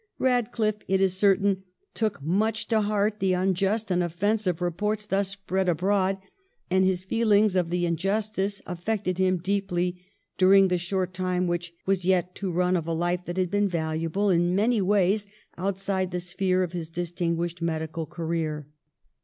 Eadcliffe, it is certain, took much to heart the unjust and offensive reports thus spread abroad, and his feeling of the injustice affected him deeply during the short time which was yet to run of a hfe that had been valuable in many ways outside the sphere of his distinguished medical career.